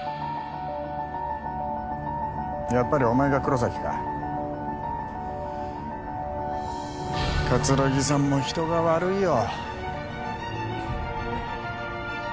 やっぱりお前が黒崎か桂木さんも人が悪いよ